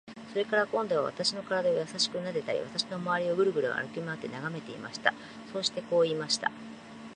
それから、今度は私の身体をやさしくなでたり、私のまわりをぐるぐる歩きまわって眺めていました。そしてこう言いました。